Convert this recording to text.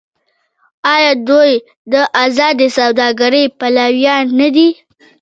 آیا دوی د ازادې سوداګرۍ پلویان نه دي؟